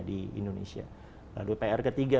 di indonesia lalu pr ketiga